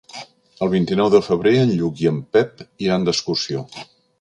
El vint-i-nou de febrer en Lluc i en Pep iran d'excursió.